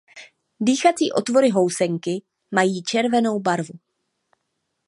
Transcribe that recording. Dýchací otvory housenky mají červenou barvu.